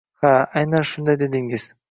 Ha, aynan shunday dedingiz